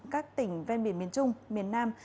các tỉnh ven biển miền trung miền nam